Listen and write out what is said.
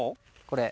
これ。